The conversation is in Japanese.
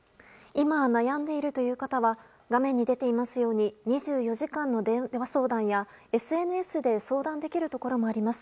今、悩んでいるという方は画面に出ていますように２４時間の電話相談やＳＮＳで相談できるところもあります。